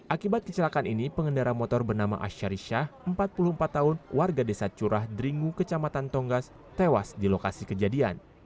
akibat kecelakaan ini pengendara motor bernama ashari syah empat puluh empat tahun warga desa curah dringu kecamatan tonggas tewas di lokasi kejadian